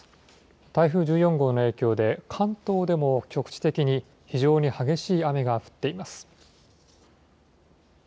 台風１４号の影響で、関東でも局地的に非常に激しい雨が降っています。